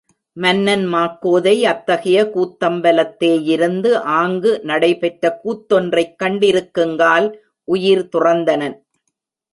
மன்னன் மாக்கோதை அத்தகைய கூத்தம்பலத்தே யிருந்து ஆங்கு நடைபெற்ற கூத் தொன்றைக் கண்டிருக்குங்கால் உயிர் துறந்தனன்.